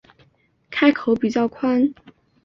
开口比较宽